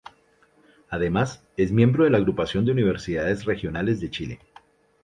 Además es miembro de la Agrupación de Universidades Regionales de Chile.